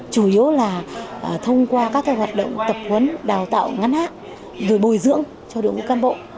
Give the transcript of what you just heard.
chủ yếu là thông qua các cái hoạt động tập huấn đào tạo ngắn hát rồi bồi dưỡng cho được các cán bộ